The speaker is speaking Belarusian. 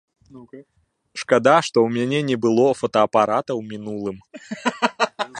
Шкада, што ў мяне не было фотаапарата ў мінулым.